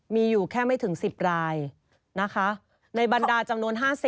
มีอยู่แค่ไม่ถึง๑๐รายนะคะในบรรดาจำนวน๕๐